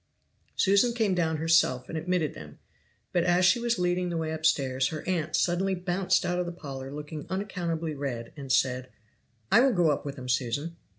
Susan came down herself and admitted them: but as she was leading the way upstairs her aunt suddenly bounced out of the parlor looking unaccountably red, and said: "I will go up with them, Susan."